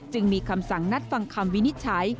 จึงมีคำสั่งนัดฟังคำวินิจฉัย